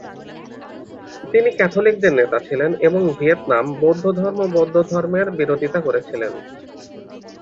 তিনি ক্যাথলিকদের নেতা ছিলেন এবং ভিয়েতনাম বৌদ্ধধর্ম বৌদ্ধধর্মের বিরোধিতা করেছিলেন।